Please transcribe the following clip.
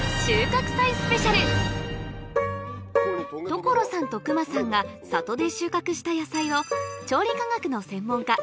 所さんと隈さんが里で収穫した野菜を調理科学の専門家